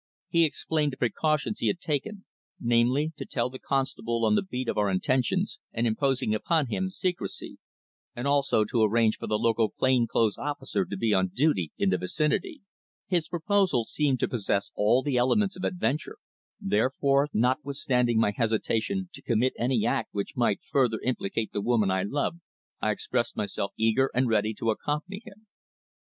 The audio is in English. He explained the precautions he had taken, namely, to tell the constable on the beat of our intentions, and imposing upon him secrecy, and also to arrange for the local plain clothes officer to be on duty in the vicinity. His proposal seemed to possess all the elements of adventure, therefore, notwithstanding my hesitation to commit any act which might further implicate the woman I loved, I expressed myself eager and ready to accompany him.